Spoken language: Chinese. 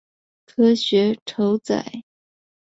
科学酬载